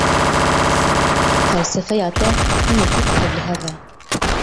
Felsefeya te hinekî tevlihev e.